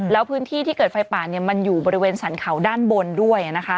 แล้วพื้นที่ที่เกิดไฟป่ามันอยู่บริเวณสรรเขาด้านบนด้วยนะคะ